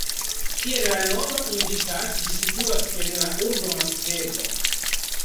Kiel la nomo indikas, ĝi situas en la urbo Moskvo.